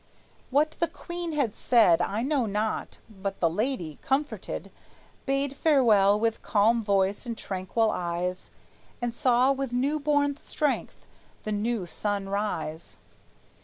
What the queen had said I know not, but the lady, comforted, Bade farewell with calm voice and tranquil eyes, And saw with new born strength the new sun rise.